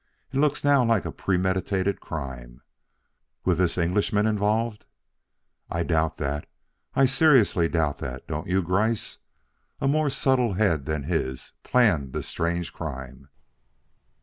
It looks now like a premeditated crime." "With this Englishman involved?" "I doubt that; I seriously doubt that don't you, Gryce? A more subtle head than his planned this strange crime."